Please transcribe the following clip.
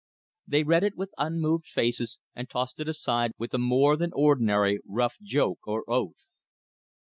They read it with unmoved faces, and tossed it aside with a more than ordinarily rough joke or oath.